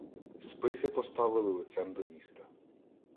Списи поставили "лицем" до міста.